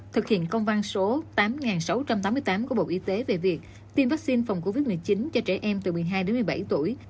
thực hiện công văn số tám nghìn sáu trăm tám mươi tám của bộ y tế về việc tiêm vaccine phòng covid một mươi chín cho trẻ em từ một mươi hai đến một mươi bảy tuổi